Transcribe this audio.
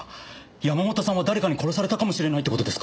山本さんは誰かに殺されたかもしれないって事ですか？